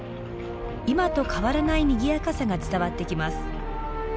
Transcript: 今と変わらないにぎやかさが伝わってきます。